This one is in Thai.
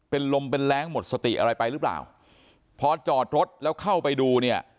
เป็นลมเป็นแรงหมดสติอะไรไปหรือเปล่าพอจอดรถแล้วเข้าไปดูเนี่ย